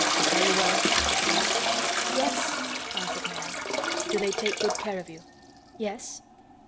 "Are you well?" he asked. "Yes," answered Mary. "Do they take good care of you?" "Yes."